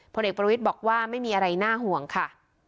ผลเอกประวิทย์บอกว่าไม่มีอะไรน่าห่วงค่ะ